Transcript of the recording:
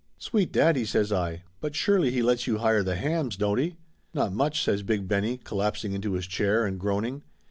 "Sweet daddy!" says I. "But surely he lets you hire the hams, don't he?" "Not much!" says Big Benny, collapsing into his chair and groaning.